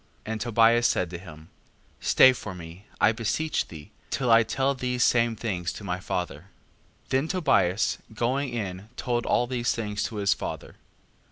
5:9. And Tobias said to him: Stay for me, I beseech thee, till I tell these same things to my father. 5:10. Then Tobias going in told all these things to his father.